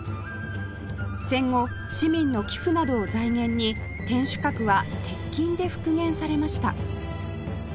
戦後市民の寄付などを財源に天守閣は鉄筋で復元されました